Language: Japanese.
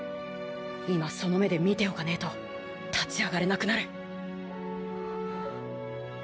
今その目で見ておかねえと立ち上がれなくなる。